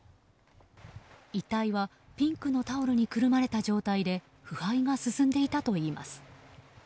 遺体はピンクのタオルにくるまれた状態で腐敗が進んでいたといいます。